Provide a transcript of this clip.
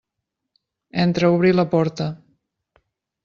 Entreobrí la porta.